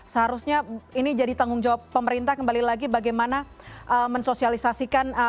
seharusnya ini jadi tanggung jawab pemerintah kembali lagi bagaimana mensosialisasikan